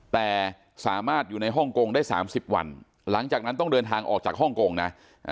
แต่สามารถอยู่ในฮ่องกงได้๓๐วันหลังจากนั้นต้องเดินทางออกจากฮ่องกงนะ